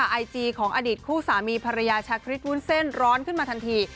ไอจีของอดีตคู่สามีภรรยาชาคริสวุ้นเส้นร้อนขึ้นมาทันที